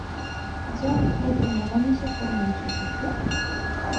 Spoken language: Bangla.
যা একটু মেলামেশা কর মানুষের সাথে!